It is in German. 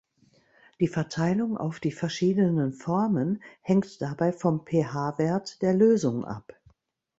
Die Verteilung auf die verschiedenen Formen hängt dabei vom pH-Wert der Lösung ab.